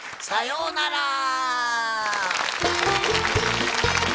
さようなら！